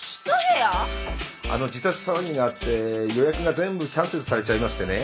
あの自殺騒ぎがあって予約が全部キャンセルされちゃいましてね。